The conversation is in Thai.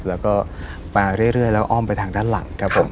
แล้วก็มาเรื่อยแล้วอ้อมไปทางด้านหลังครับผม